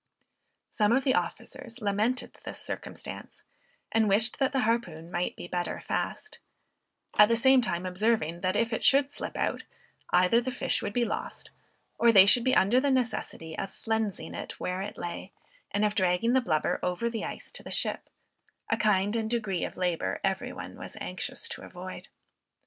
Some of the officers lamented this circumstance, and wished that the harpoon might be better fast; at the same time observing that if it should slip out, either the fish would be lost, or they should be under the necessity of flensing it where it lay, and of dragging the blubber over the ice to the ship; a kind and degree of labor every one was anxious to avoid.